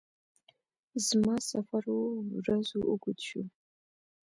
زما سفر اووه ورځو اوږد شو.